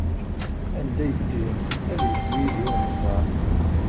Anda ay ddiɣ, ad yeddu yid-i unẓar!